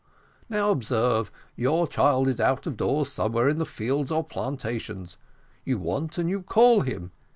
Now observe, your child is out of doors somewhere in the fields or plantations; you want and you call him.